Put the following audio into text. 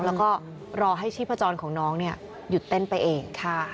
แล้วก็รอให้ชีพจรของน้องหยุดเต้นไปเอง